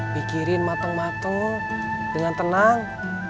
pikirin mateng mateng dengan tenang